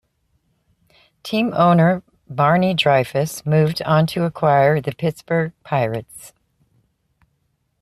Team owner Barney Dreyfuss moved on to acquire the Pittsburgh Pirates.